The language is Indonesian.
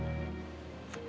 hanya sahabat baik